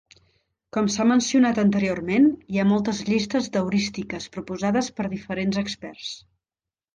Com s'ha mencionat anteriorment, hi ha moltes llistes d'heurístiques proposades per diferents experts.